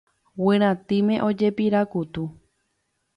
Guyratĩme ojepirakutu.